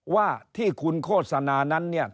ว่าที่คุณโฆษณานั้นเนี่ย